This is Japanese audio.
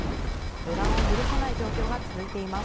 予断を許さない状況が続いています。